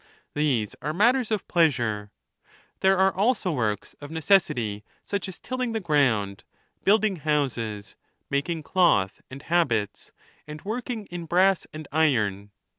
These are matters of pleasure. There are also works of necessity, such as tilling the ground, build ing houses, making cloth and habits, and working in brass and iron.